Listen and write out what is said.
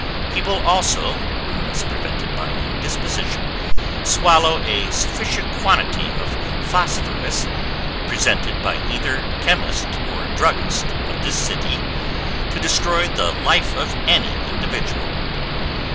He will also (unless prevented by indisposition) swallow a sufficient quantity of phosphorus, (presented by either chemist or druggist of this city) to destroy THE LIFE OF ANY INDIVIDUAL.